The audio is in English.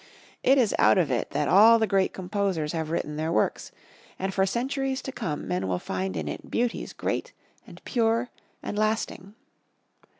It is out of it that all the great composers have written their works, and for centuries to come men will find in it beauties great, and pure, and lasting.